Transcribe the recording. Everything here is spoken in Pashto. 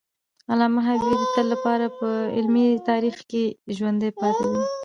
علامه حبیبي د تل لپاره په علمي تاریخ کې ژوندی پاتي دی.